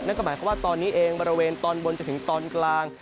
นั่นก็หมายความว่าตอนนี้เองบริเวณตอนบนจนถึงตอนกลาง